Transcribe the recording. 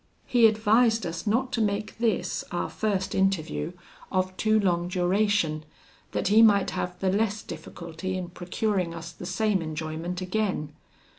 He advised us not to make this, our first interview, of too long duration, that he might have the less difficulty in procuring us the same enjoyment again.